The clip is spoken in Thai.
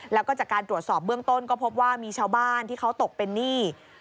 แล้วก็จากการตรวจสอบเบื้องต้นก็พบว่ามีชาวบ้านที่เขาตกเป็นหนี้